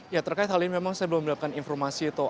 ya terkait hal ini memang saya belum mendapatkan informasi itu